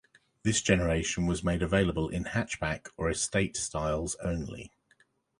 This generation was made available in hatchback or estate styles only.